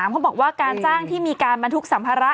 เขาบอกว่าการจ้างที่มีการบรรทุกสัมภาระ